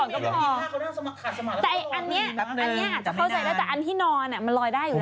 อันที่มันไม่ใช่แนวอันที่มันไม่ใช่แนว